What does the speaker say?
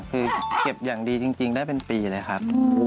คือเก็บอย่างดีจริงได้เป็นปีเลยครับ